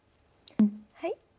はい。